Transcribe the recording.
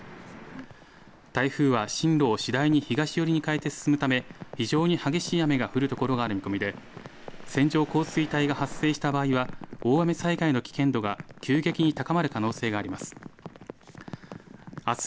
台風は進路を次第に東寄りに変えて進むため、非常に激しい雨が降る所がある見込みで、線状降水帯が発生した場合は、大雨災害の危険度が急激に高まる可能性があります。